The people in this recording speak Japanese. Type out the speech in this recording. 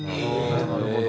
なるほど。